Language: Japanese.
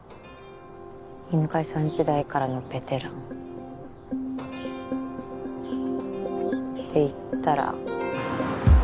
犬飼さん時代からのベテラン。っていったら。